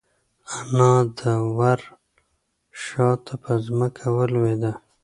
انا د وره شاته په ځمکه ولوېده.